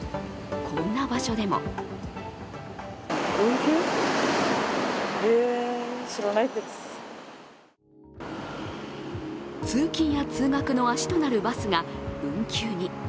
こんな場所でも通勤や通学の足となるバスが運休に。